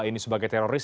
ini sebagai teroris